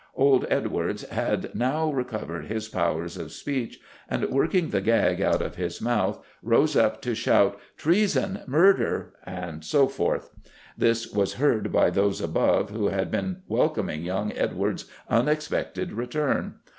Old Edwards had now recovered his powers of speech, and, working the gag out of his mouth, rose up to shout "Treason! Murder!" and so forth. This was heard by those above who had been welcoming young Edwards' unexpected return.